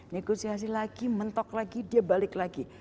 negosiasi lagi mentok lagi dia balik lagi